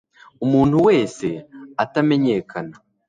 umuntu wese atamenyekana